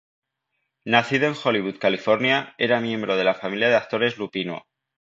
Nacido en Hollywood, California, era miembro de la familia de actores Lupino.